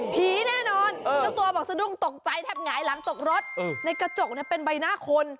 แน่นอนเจ้าตัวบอกสะดุ้งตกใจแทบหงายหลังตกรถในกระจกเป็นใบหน้าคน